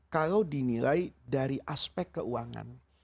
kalau dinilai dari aspek keuangan